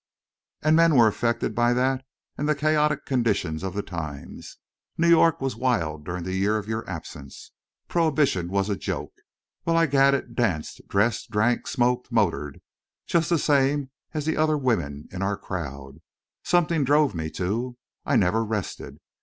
And men were affected by that and the chaotic condition of the times. New York was wild during the year of your absence. Prohibition was a joke.—Well, I gadded, danced, dressed, drank, smoked, motored, just the same as the other women in our crowd. Something drove me to. I never rested.